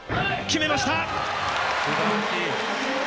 決めました！